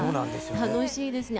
楽しいですね。